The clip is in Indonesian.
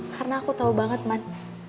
karena aku tau banget man